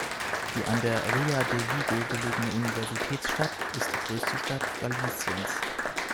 Die an der Ría de Vigo gelegene Universitätsstadt ist die größte Stadt Galiciens.